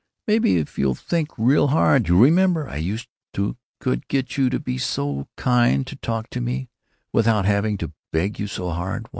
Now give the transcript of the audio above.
"Maybe if you'll think real hard you'll remember I used to could get you to be so kind and talk to me without having to beg you so hard.